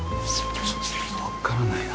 わからないな。